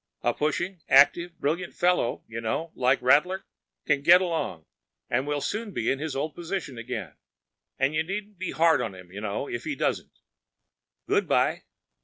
A pushing, active, brilliant fellow, you know, like Rattler can get along, and will soon be in his old position again,‚ÄĒand you needn’t be hard on him, you know, if he doesn’t. Good by.